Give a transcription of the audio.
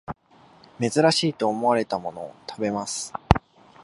珍しいと思われたものを食べます